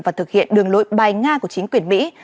và thực hiện đường lội bài nga của chính quyền mỹ